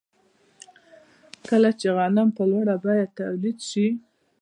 کله چې غنم په لوړه بیه تولید شي